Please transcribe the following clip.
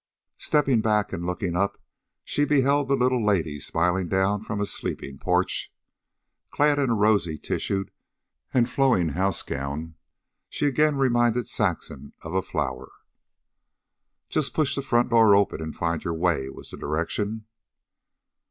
Stepping back and looking up, she beheld the little lady smiling down from a sleeping porch. Clad in a rosy tissued and flowing house gown, she again reminded Saxon of a flower. "Just push the front door open and find your way," was the direction.